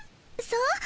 そう？